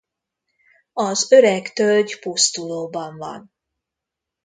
Az öreg tölgy pusztulóban van.